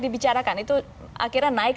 dibicarakan itu akhirnya naik